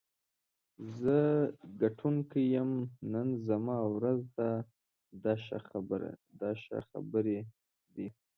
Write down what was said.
زه ګټونکی یم، نن زما ورځ ده دا ښه خبرې دي.